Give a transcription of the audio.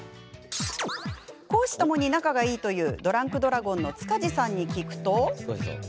公私ともに仲がいいというドランクドラゴンの塚地さんに聞くと。